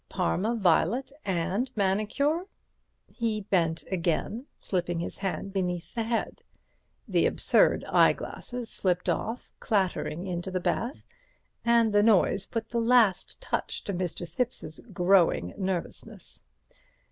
"Parma violet and manicure." He bent again, slipping his hand beneath the head. The absurd eyeglasses slipped off, clattering into the bath, and the noise put the last touch to Mr. Thipps's growing nervousness.